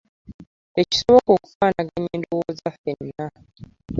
Tekisoboka okufaanaganya endowooza ffenna.